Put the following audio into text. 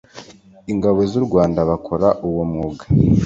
ingabo z’u rwanda bakora uwo mwuga